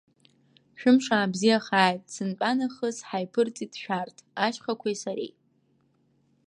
Шәымш аабзиахааит, сынтәанахыс ҳаиԥырҵит шәарҭ, ашьхақәеи сареи.